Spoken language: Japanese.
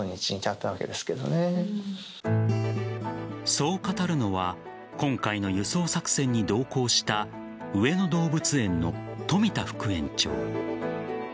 そう語るのは今回の輸送作戦に同行した上野動物園の冨田副園長。